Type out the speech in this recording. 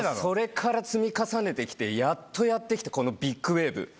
それから積み重ねてきてやっとやって来たこのビッグウエーブ。